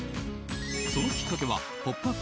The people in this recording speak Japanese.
そのきっかけは「ポップＵＰ！」